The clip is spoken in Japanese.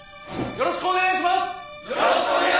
よろしくお願いします！